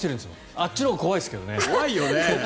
あっちのほうが怖いですけどね。